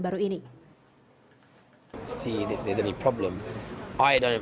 tapi di mana kalau ada masalah